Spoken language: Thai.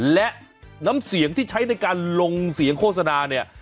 และน้ำเสียงที่ใช้ในการลงเสียงโฆษณาเนี่ย